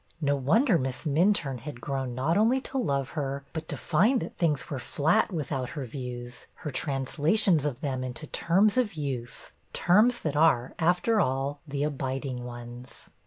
No wonder Miss Minturne had grown not only to love her, but to find that things were flat without her views, her translations of them into terms of youth, terms that are, after all, the abiding ones.